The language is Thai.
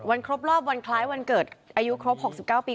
ครบรอบวันคล้ายวันเกิดอายุครบ๖๙ปี